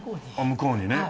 向こうにね。